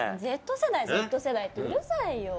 Ｚ世代Ｚ世代ってうるさいよ！